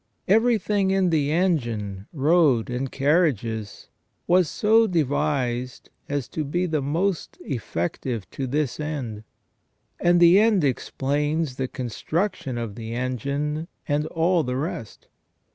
Everything in the engine, road, and carriages was so devised as to be the most effective to this end, and the end explains the construction of the engine and all the rest.